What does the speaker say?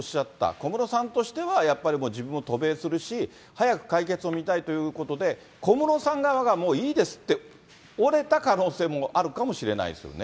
小室さんとしてはやっぱり、自分も渡米するし早く解決を見たいということで、小室さん側がもういいですって、折れた可能性もあるかもしれないですよね。